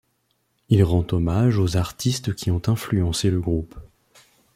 Il rend hommage aux artistes qui ont influencé le groupe.